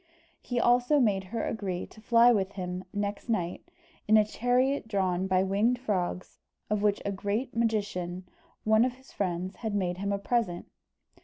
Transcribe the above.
He also made her agree to fly with him next night, in a chariot drawn by winged frogs, of which a great magician, one of his friends, had made him a present.